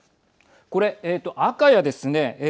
これ、赤やですね